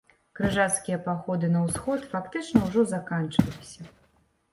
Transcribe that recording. Крыжацкія паходы на ўсход фактычна ўжо заканчваліся.